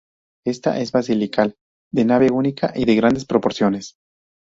Esta es basilical, de nave única y de grandes proporciones.